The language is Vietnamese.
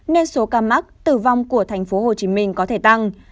nên số ca mắc tử vong của tp hcm có thể tăng